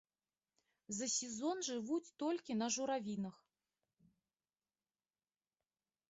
За сезон жывуць толькі на журавінах.